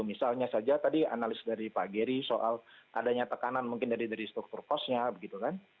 misalnya saja tadi analis dari pak geri soal adanya tekanan mungkin dari struktur kosnya begitu kan